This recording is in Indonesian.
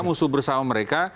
musuh bersama mereka